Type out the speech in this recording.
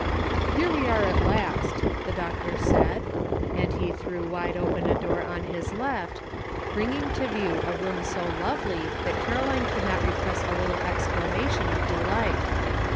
'' Here we are at last," the doctor said, and he threw wide open a door at his left, bringing to view a room so lovely that Caroline could not repress a little exclamation of delight.